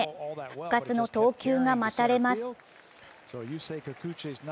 復活の投球が待たれます。